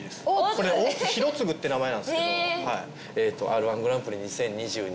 俺大津広次って名前なんすけど「Ｒ−１グランプリ２０２２」